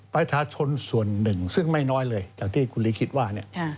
ประชาชนส่วนหนึ่งซึ่งไม่น้อยเลยจากที่คุณลีคิดว่าเนี่ย